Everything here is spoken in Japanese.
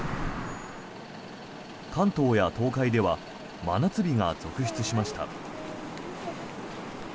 関東や東海では真夏日が続出しました。